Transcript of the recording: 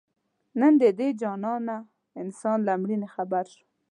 نن د دې جانانه انسان له مړیني خبر شوم